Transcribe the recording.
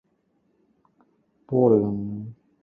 鵪鶉蛋燒賣